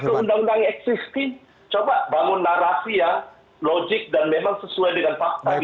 setelah satu undang undang yang eksistir coba bangun narasi yang logik dan memang sesuai dengan fakta